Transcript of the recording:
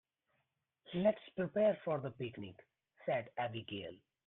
"Let's prepare for the picnic!", said Abigail.